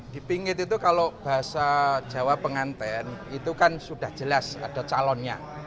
dipingit itu kalau bahasa jawa penganten itu kan sudah jelas ada calonnya